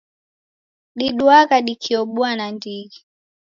Diduagha dikiobua nandighi.